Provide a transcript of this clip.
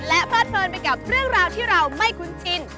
เพลิดเพลินไปกับเรื่องราวที่เราไม่คุ้นชิน